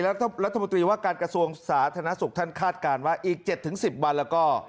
รัฐมนตรีว่าการกระทรวงสาธารณสุขท่านคาดการณ์ว่าอีก๗๑๐วันแล้วก็